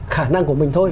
khả năng của mình thôi